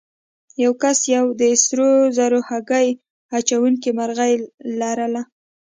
یو کس یوه د سرو زرو هګۍ اچوونکې مرغۍ لرله.